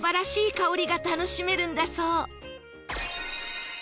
香りが楽しめるんだそう